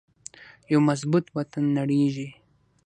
یو مضبوط وطن نړیږي